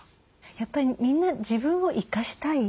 やっぱりみんな自分を生かしたい。